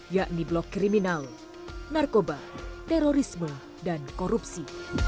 yakni blok kriminal narkoba terorisme dan korupsi